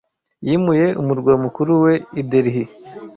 yimuye umurwa mukuru we i Delhi